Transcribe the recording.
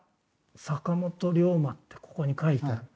「坂本龍馬」ってここに書いてあります